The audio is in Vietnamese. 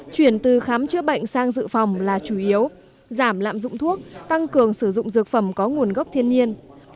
chuyển từ khám chữa bệnh sang dự phòng là chủ yếu giảm lạm dụng thuốc tăng cường sử dụng dược phẩm có nguồn gốc thiên nhiên